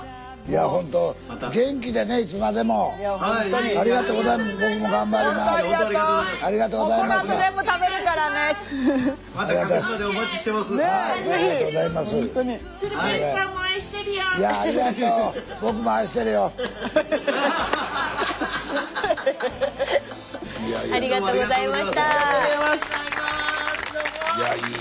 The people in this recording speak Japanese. いやもうありがとうございます。